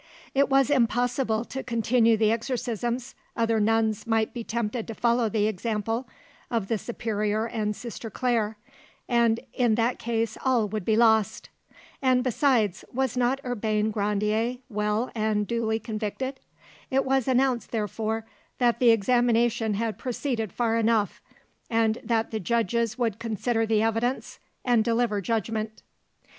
It was impossible to continue the exorcisms other nuns might be tempted to follow the example, of the superior and Sister Claire, and in that case all would be lost. And besides, was not Urbain Grandier well and duly convicted? It was announced, therefore, that the examination had proceeded far enough, and that the judges would consider the evidence and deliver judgment.